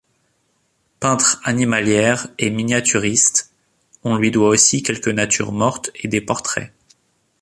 Peintre animalière et miniaturiste, on lui doit aussi quelques natures mortes et des portraits.